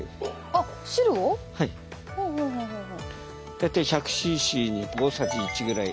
大体１００ｃｃに大さじ１ぐらい。